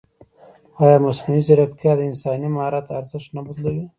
ایا مصنوعي ځیرکتیا د انساني مهارت ارزښت نه بدلوي؟